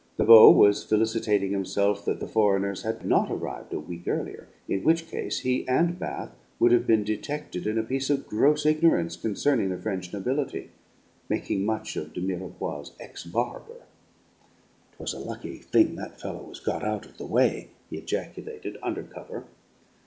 The Beau was felicitating himself that the foreigners had not arrived a week earlier, in which case he and Bath would have been detected in a piece of gross ignorance concerning the French nobility making much of de Mirepoix's ex barber. "'Tis a lucky thing that fellow was got out of the way," he ejaculated, under cover.